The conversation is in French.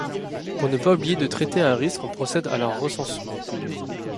Pour ne pas oublier de traiter un risque on procède à leur recensement.